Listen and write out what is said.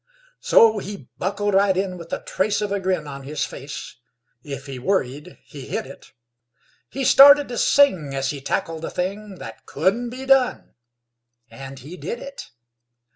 So he buckled right in with the trace of a grin On his face. If he worried he hid it. He started to sing as he tackled the thing That couldn't be done, and he did it.